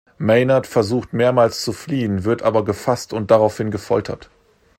Maynard versucht mehrmals zu fliehen, wird aber gefasst und daraufhin gefoltert.